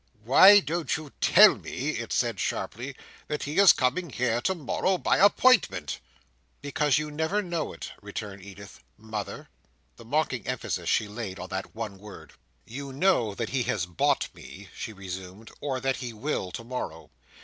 "Why don't you tell me," it said sharply, "that he is coming here to morrow by appointment?" "Because you know it," returned Edith, "Mother." The mocking emphasis she laid on that one word! "You know he has bought me," she resumed. "Or that he will, to morrow.